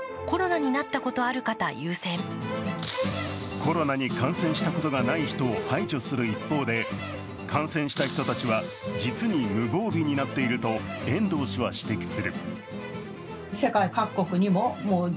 コロナに感染したことがない人を排除する一方で、感染した人たちは実に無防備になっていると遠藤氏は指摘する。